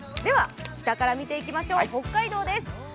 北から見ていきましょう、北海道です